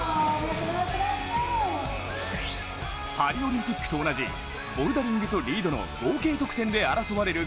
パリオリンピックと同じボルダリングとリードの合計得点で争われる